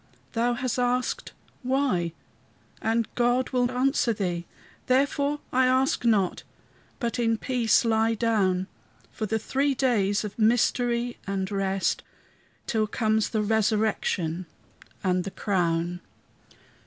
Thou hast asked, "Why?" and God will answer thee, Therefore I ask not, but in peace lie down, For the three days of mystery and rest, Till comes the resurrection and the crown.